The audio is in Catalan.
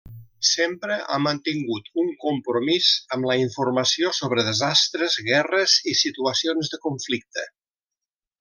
Sempre ha mantingut un compromís amb la informació sobre desastres, guerres i situacions de conflicte.